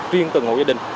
riêng từng hộ gia đình